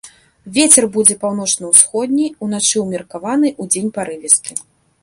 Вецер будзе паўночна-ўсходні, уначы ўмеркаваны, удзень парывісты.